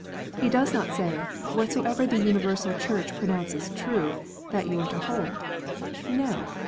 He does not say, " Whatsoever the universal Church pronounces true, that you are to hold." No